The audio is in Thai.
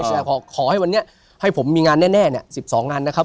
ใช่ขอให้วันนี้ให้ผมมีงานแน่๑๒งานนะครับ